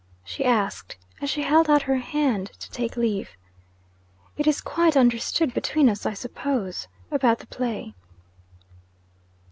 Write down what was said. she asked, as she held out her hand to take leave. 'It is quite understood between us, I suppose, about the play?'